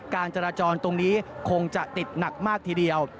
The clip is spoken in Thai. การจราจรตรงนี้คงจะติดหนักมากทีเดียว